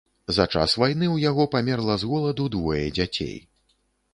За час вайны ў яго памерла з голаду двое дзяцей.